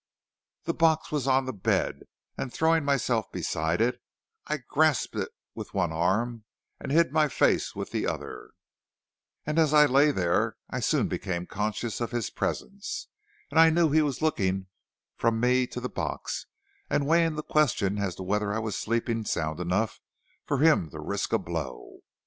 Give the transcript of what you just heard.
"The box was on the bed, and throwing myself beside it, I grasped it with one arm and hid my face with the other, and as I lay there I soon became conscious of his presence, and I knew he was looking from me to the box, and weighing the question as to whether I was sleeping sound enough for him to risk a blow.